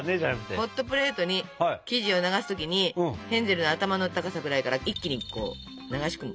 ホットプレートに生地を流す時にヘンゼルの頭の高さくらいから一気に流し込む。